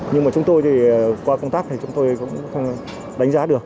nhưng mà chúng tôi thì qua công tác thì chúng tôi cũng không đánh giá được